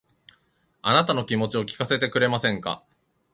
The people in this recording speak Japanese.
あなたの気持ちを聞かせてくれませんか